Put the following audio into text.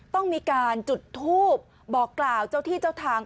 ต้องมีการจุดทูบบอกกล่าวเจ้าที่เจ้าทาง